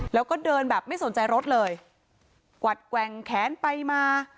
แล้วก็เดินแบบไม่สนใจรถเลยกวัดแกว่งแขนไปมา